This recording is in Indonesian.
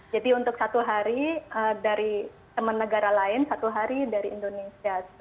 jadi untuk satu hari dari teman negara lain satu hari dari indonesia